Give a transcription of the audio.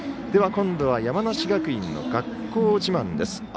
今度は山梨学院の学校自慢です。